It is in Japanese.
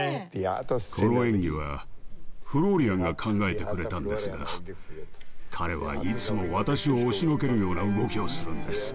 この演技はフローリアンが考えてくれたんですが彼はいつも私を押しのけるような動きをするんです。